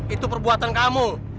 itu perbuatan kamu